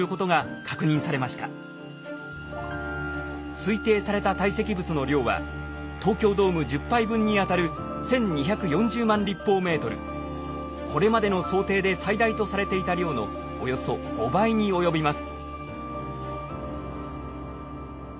推定された堆積物の量は東京ドーム１０杯分にあたるこれまでの想定で最大とされていた量のおよそ５倍に及びます。